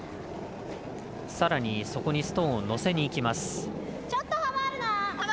さらに、そこにストーンをのせにいきます。